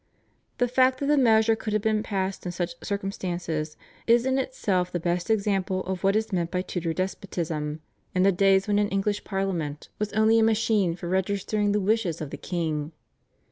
The fact that the measure could have been passed in such circumstances is in itself the best example of what is meant by Tudor despotism, in the days when an English Parliament was only a machine for registering the wishes of the king.